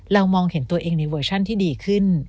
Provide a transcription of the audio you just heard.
มองเห็นตัวเองในเวอร์ชันที่ดีขึ้น